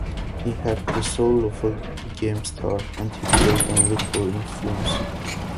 He had the soul of a gamester, and he played only for influence.